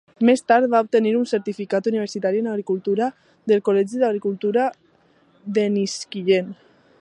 Més tard, va obtenir un certificat universitari en agricultura del Col·legi d'Agricultura d'Enniskillen.